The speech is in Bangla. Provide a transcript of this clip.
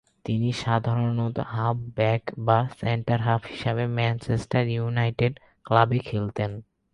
তিনি সাধারণত হাফ-ব্যাক বা সেন্টার-হাফ হিসেবেই ম্যানচেস্টার ইউনাইটেড ক্লাবে খেলতেন।